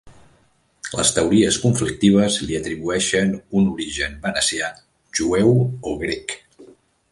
Les teories conflictives li atribueixen un origen venecià, jueu o grec.